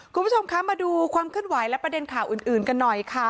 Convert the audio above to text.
คุณผู้ชมคะมาดูความเคลื่อนไหวและประเด็นข่าวอื่นกันหน่อยค่ะ